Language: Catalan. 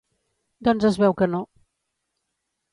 Doncs es veu que no.